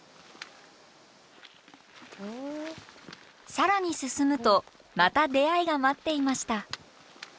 更に進むとまた出会いが待っていました。